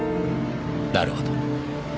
なるほど。